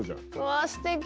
うわすてき。